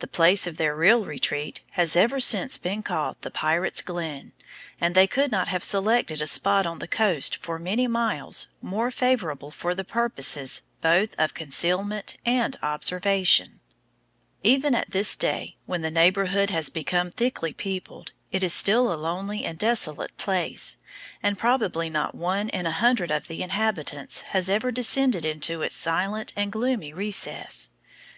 The place of their retreat has ever since been called the Pirates' Glen, and they could not have selected a spot on the coast for many miles, more favorable for the purposes both of concealment and observation. Even at this day, when the neighborhood has become thickly peopled, it is still a lonely and desolate place, and probably not one in a hundred of the inhabitants has ever descended into its silent and gloomy recess.